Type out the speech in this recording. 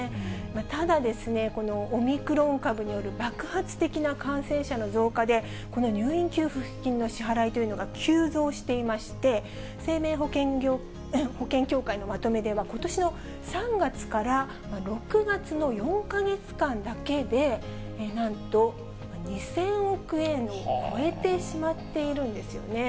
ただ、このオミクロン株による爆発的な感染者の増加で、この入院給付金の支払いというのが急増していまして、生命保険協会のまとめでは、ことしの３月から６月の４か月間だけで、なんと２０００億円を超えてしまっているんですよね。